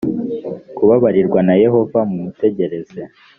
kubabarirwa na yehova mumutegereze